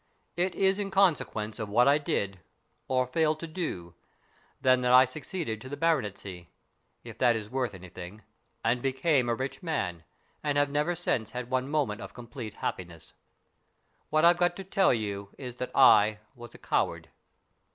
It is in consequence of what I did, or failed to do, then that I succeeded to the baronetcy if that is worth anything and became a rich man, and have never since had one moment of complete happiness. What I've got to tell you is that I was a coward.